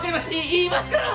い言いますから！